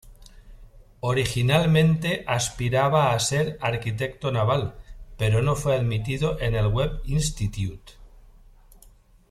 Originalmente aspiraba a ser arquitecto naval, pero no fue admitido en el Webb Institute.